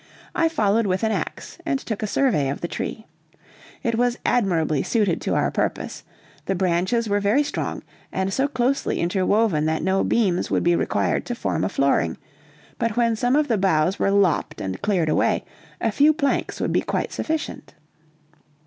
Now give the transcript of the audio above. I followed with an ax, and took a survey of the tree. It was admirably suited to our purpose; the branches were very strong and so closely interwoven that no beams would be required to form a flooring, but when some of the boughs were lopped and cleared away, a few planks would be quite sufficient.